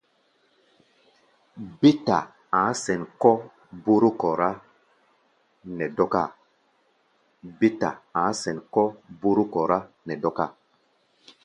Bé ta a̧á̧ sɛ̌n kɔ̧ bóró kɔrá nɛ dɔ́káa.